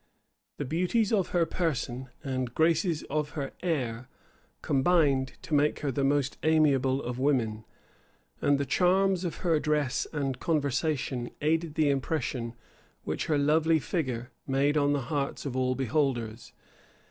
The beauties of her person and graces of her air combined to make her the most amiable of women; and the charms of her address and conversation aided the impression which her lovely figure made on the hearts of all beholders.